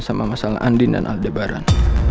sama masalah andin dan aldebaran